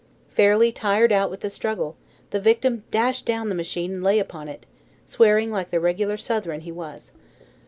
Fairly tired out with the struggle, the victim dashed down the machine and lay upon it, swearing like the regular Southron he was.